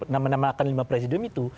nama nama akan lima presiden itu